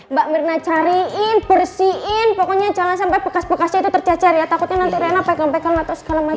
mbak mirna cariin bersihin pokoknya jangan sampai bekas bekasnya itu terjajar ya takutnya nanti riana pekel pekel atau segala macam gitu